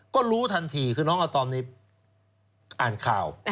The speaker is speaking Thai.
ก็รู้ทันทีคือน้องอาตอมนี่อ่านข่าว